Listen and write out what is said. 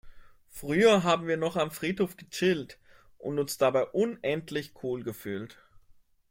Früher haben wir noch am Friedhof gechillt und uns dabei unendlich cool gefühlt.